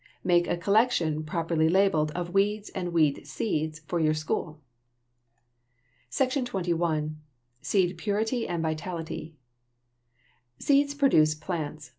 Make a collection, properly labeled, of weeds and weed seeds for your school. SECTION XXI. SEED PURITY AND VITALITY Seeds produce plants.